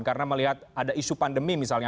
karena melihat ada isu pandemi misalnya